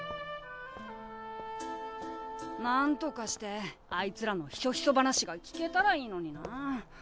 なんとかしてあいつらのひそひそ話が聞けたらいいのにな。